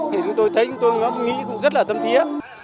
thì chúng tôi thấy chúng tôi nghĩ cũng rất là tâm thiết